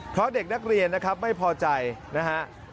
เพราะเด็กนักเรียนนะครับไม่พอใจนะฮะ